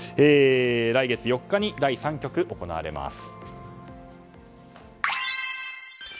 来月４日に第３局が行われます。